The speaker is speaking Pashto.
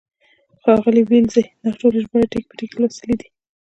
ښاغلي ولیزي دا ټولې ژباړې ټکی په ټکی لوستې دي.